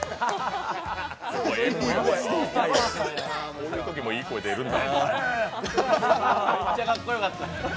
こういうときもいい声出るんだ。